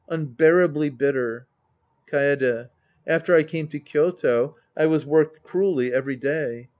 Unbeara bly bitter. Kaede. After I came to KySto, I was worked cruelly every day.